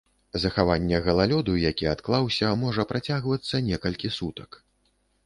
Захаванне галалёду, які адклаўся, можа працягвацца некалькі сутак.